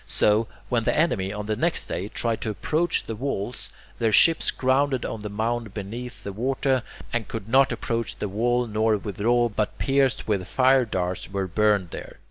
So, when the enemy, on the next day, tried to approach the walls, their ships grounded on the mound beneath the water, and could not approach the wall nor withdraw, but pierced with fire darts were burned there.